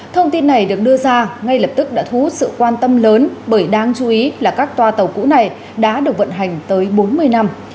thông tin này được đưa ra ngay lập tức đã thu hút sự quan tâm lớn bởi đáng chú ý là các toa tàu cũ này đã được vận hành tới bốn mươi năm